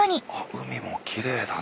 海もきれいだな。